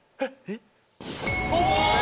えっ。